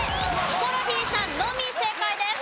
ヒコロヒーさんのみ正解です。